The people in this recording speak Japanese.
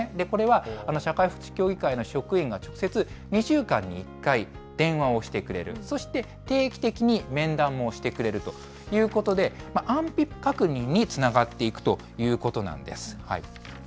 これは社会福祉協議会の職員が直接、２週間に１回、電話をしてくれる、そして、定期的に面談もしてくれるということで、安否確認につながっていくということなんです。